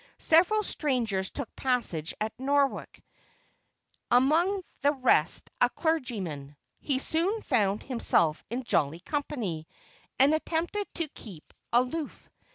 Several strangers took passage at Norwalk, among the rest a clergyman. He soon found himself in jolly company, and attempted to keep aloof.